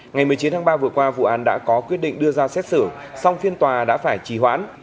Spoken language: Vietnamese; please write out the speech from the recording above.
ngày một mươi chín tháng ba vừa qua vụ án đã có quyết định đưa ra xét xử song phiên tòa đã phải trì hoãn